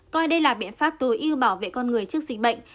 coi đây là biện pháp tối ưu bảo vệ con người trước dịch bệnh